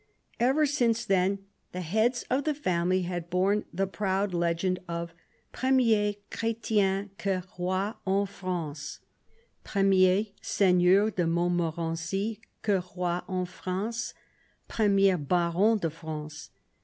Ever since then the heads of the family had borne the proud legend of " Premier Chrestien que Roy en France ; premier Seigneur de Montmorency que Roy en France ; premier Baron de France."